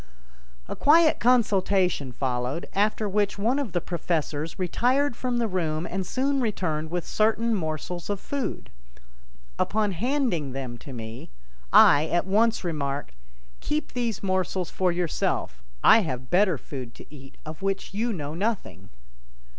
A quiet consultation followed, after which one of the professors retired from the room and soon returned with certain morsels of food. Upon handing them to me, I at once remarked: "Keep these morsels for yourself; I have better food to eat, of which you know nothing."